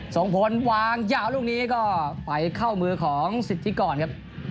ส่งผลวางยาวลูกนี้ก็ไปเข้ามือของสิทธิกรครับ